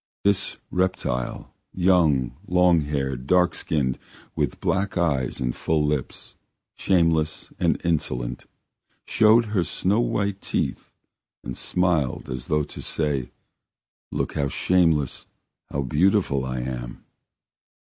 This reptile, young, longhaired, dark skinned, with black eyes and full lips, shameless and insolent, showed her snow white teeth and smiled as though to say: "Look how shameless, how beautiful I am."